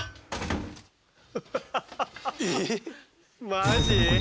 マジ？